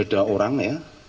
dua orang ya